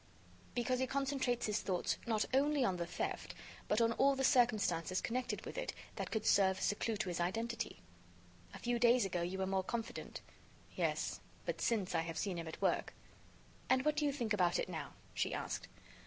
"Because he concentrates his thoughts not only on the theft, but on all the circumstances connected with it that could serve as a clue to his identity." "A few days ago, you were more confident." "Yes, but since then I have seen him at work." "And what do you think about it now?" she asked.